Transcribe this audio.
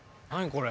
これ。